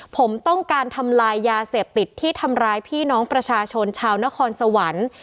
ผมต้องการทำลายยาเสพติดที่ทำร้ายพี่น้องประชาชนชาวนครสวรรค์